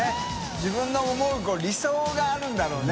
自分の思う理想があるんだろうね。